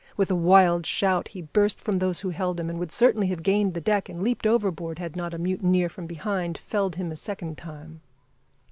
With a wild shout he burst from those who held him, and would certainly have gained the deck and leaped overboard had not a mutineer from behind felled him a second time.